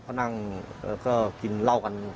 พ่อนั่งกินเหล้ากัน